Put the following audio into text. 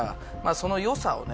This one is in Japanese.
そのよさをね